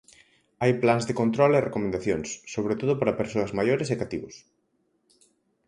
Hai plans de control e recomendacións, sobre todo para persoas maiores e cativos.